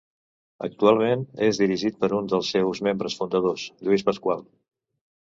Actualment és dirigit per un dels seus membres fundadors, Lluís Pasqual.